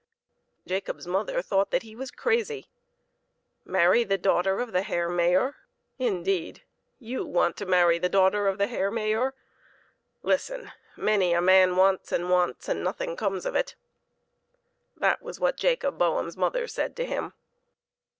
Jacob's mother thought that he was crazy. " Marry the daughter of the Herr Mayor, indeed! You want to marry the daughter of the Herr Mayor? Listen; many a man wants and wants, and nothing comes of it!" That was what Jacob Boehm's mother said to him.